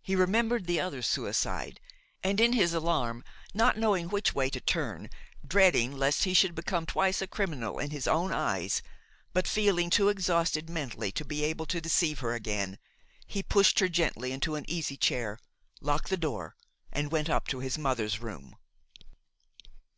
He remembered the other's suicide, and, in his alarm, not knowing which way to turn, dreading lest he should become twice a criminal in his own eyes, but feeling too exhausted mentally to be able to deceive her again, he pushed her gently into an easy chair, locked the door, and went up to his mother's room.